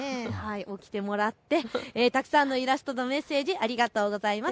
起きてもらってたくさんのイラストとメッセージありがとうございます。